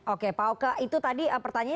oke pak oke itu tadi pertanyaan